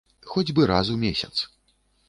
Хоць бы раз у месяц.